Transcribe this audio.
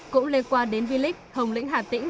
cũng liên quan đến v league hồng lĩnh hà tĩnh